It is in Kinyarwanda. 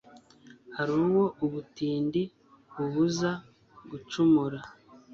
hari uwo ubutindi bubuza gucumura